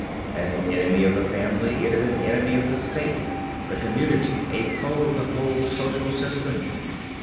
As an enemy of the family, it is an enemy of the state, the community, a foe to the whole social system.